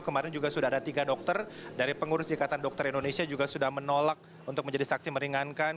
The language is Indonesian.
kemarin juga sudah ada tiga dokter dari pengurus ikatan dokter indonesia juga sudah menolak untuk menjadi saksi meringankan